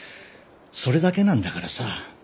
それだけなんだからさ。